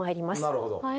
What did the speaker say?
なるほど。